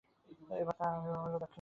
এবার তাঁহার আবির্ভাব হইল দাক্ষিণাত্যে।